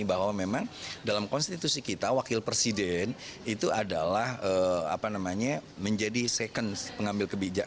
bahwa memang dalam konstitusi kita wakil presiden itu adalah menjadi second pengambil kebijak